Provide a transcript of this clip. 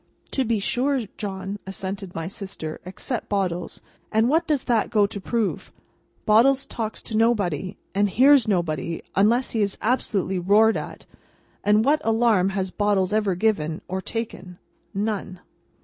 "To be sure, John," assented my sister; "except Bottles. And what does that go to prove? Bottles talks to nobody, and hears nobody unless he is absolutely roared at, and what alarm has Bottles ever given, or taken! None."